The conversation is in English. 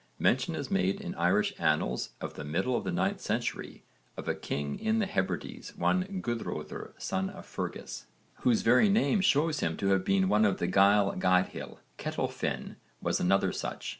Mention is made in Irish annals of the middle of the 9th century of a king in the Hebrides one Guðröðr son of Fergus whose very name shows him to have been one of the Gaill Gaedhil. Ketill Finn (v. supra, p. 56) was another such.